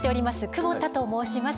久保田と申します。